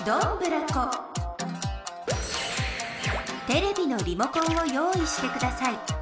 テレビのリモコンを用意してください。